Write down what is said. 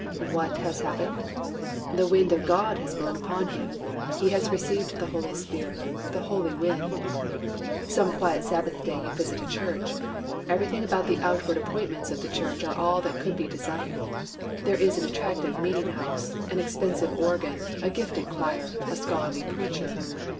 What has happened? The Wind of God has blown upon him; he has received the Holy Spirit, the Holy Wind. Some quiet Sabbath day you visit a church. Everything about the outward appointments of the church are all that could be desired. There is an attractive meeting house, an expensive organ, a gifted choir, a scholarly preacher.